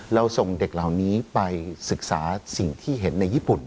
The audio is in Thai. เราส่งเด็กเหล่านี้ไปศึกษาสิ่งที่เห็นในญี่ปุ่น